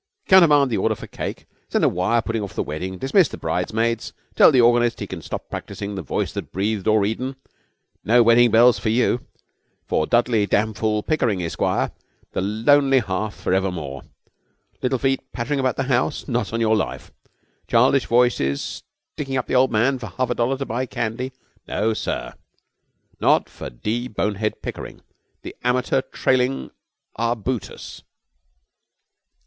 Countermand the order for cake, send a wire putting off the wedding, dismiss the bridesmaids, tell the organist he can stop practising "The Voice that Breathed O'er Eden" no wedding bells for you! For Dudley Damfool Pickering, Esquire, the lonely hearth for evermore! Little feet pattering about the house? Not on your life! Childish voices sticking up the old man for half a dollar to buy candy? No, sir! Not for D. Bonehead Pickering, the amateur trailing arbutus!'